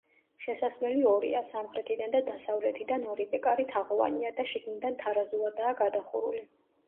შესასვლელი ორია, სამხრეთიდან და დასავლეთიდან ორივე კარი თაღოვანია და შიგნიდან თარაზულადაა გადახურული.